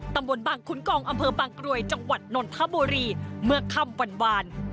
ตำบลบางขุนกองอำเภอบางกรวยจังหวัดนนทบุรีเมื่อค่ำวัน